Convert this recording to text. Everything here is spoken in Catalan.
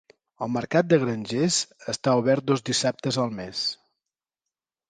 El mercat de grangers està obert dos dissabtes al mes.